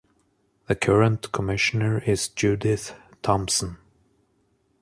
The current commissioner is Judith Thompson.